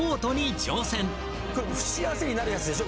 これ不幸せになるやつでしょ？